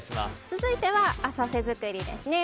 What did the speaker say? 続いては浅瀬作りですね。